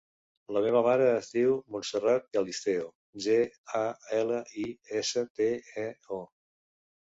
La meva mare es diu Montserrat Galisteo: ge, a, ela, i, essa, te, e, o.